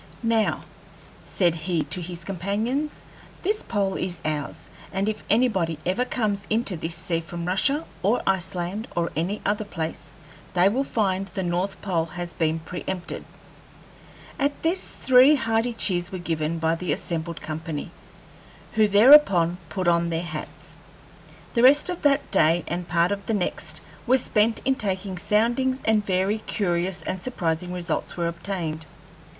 ] "Now," said he to his companions, "this pole is ours, and if anybody ever comes into this sea from Russia, or Iceland, or any other place, they will find the north pole has been pre empted." At this three hearty cheers were given by the assembled company, who thereupon put on their hats. The rest of that day and part of the next were spent in taking soundings, and very curious and surprising results were obtained.